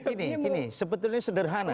ini ini sebetulnya sederhana